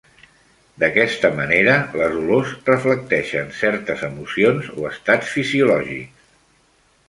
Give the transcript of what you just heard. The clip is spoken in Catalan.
D'aquesta manera les olors reflecteixen certes emocions o Estats fisiològics.